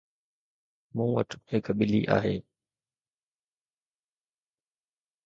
مون وٽ هڪ ٻلي آهي